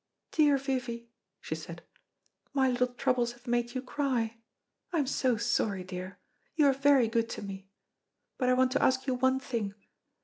"Dear Vivy," she said, "my little troubles have made you cry. I am so sorry, dear. You are very good to me. But I want to ask you one thing.